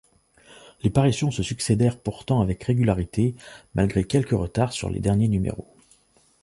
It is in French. Les parutions se succédèrent pourtant avec régularité, malgré quelques retards sur les derniers numéros.